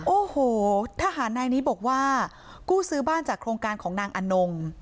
โอ้โหทหารนายนี้บอกว่ากู้ซื้อบ้านจากโครงการของนางอนง